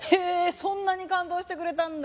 そんなに感動してくれたんだ。